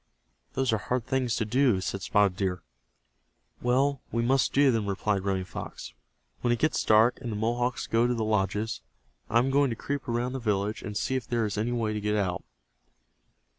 "Those are hard things to do," said Spotted Deer. "Well, we must do them," replied Running Fox. "When it gets dark, and the Mohawks go to the lodges, I am going to creep around the village and see if there is any way to get out."